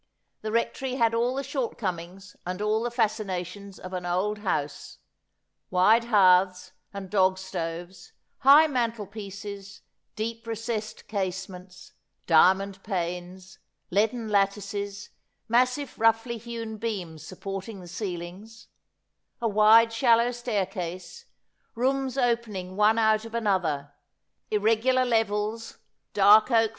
The Rectory had all the shortcomings and all the fascinations of an old house : wide hearths and dog stoves, high mantel pieces, deep recessed casements, diamond panes, leaden lattices, massive roughly hewn beams supporting the ceilings, a wide shallow staircase, rooms opening»tone out of another, irregular levels, dark oak 72 AspJiodel.